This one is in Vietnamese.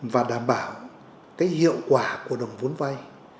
và đảm bảo hiệu quả của đồng vốn vai